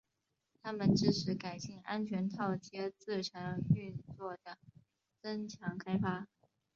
它们支持改进安全套接字层运作的增强开发。